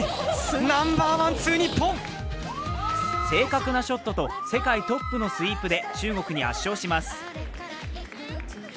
正確なショットと世界トップのスイープで中国に圧勝します。